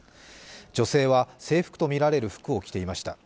女性は制服とみられる服を着ていました。